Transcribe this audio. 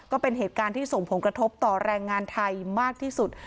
ก็เป็นเหตุการณ์ที่ส่งผลกระทบต่อแรงงานไทยมากที่สุด